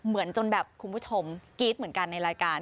เหมือนจนแบบคุณผู้ชมกรี๊ดเหมือนกันในรายการ